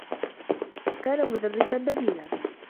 كان مدرّسا بديلا.